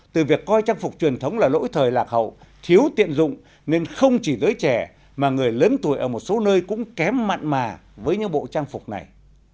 từ việc coi trang phục truyền thống là lỗi thời lạc hậu thiếu tiện dụng nên không chỉ giới trẻ mà người lớn tuổi ở một số nơi cũng kém mạn mà với những bộ trang phục này